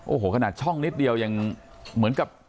โอ้โหขนาดช่องนิดเดียวยังเหมือนกับ